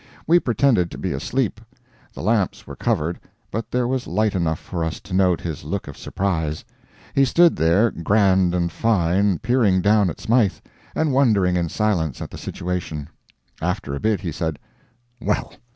We pretended to be asleep. The lamps were covered, but there was light enough for us to note his look of surprise. He stood there, grand and fine, peering down at Smythe, and wondering in silence at the situation. After a bit he said: "Well!"